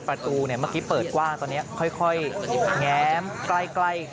ประตูเมื่อกี้เปิดกว้างตอนนี้ค่อยแง้มใกล้